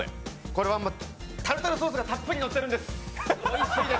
これはタルタルソースがたっぷりのっているんです。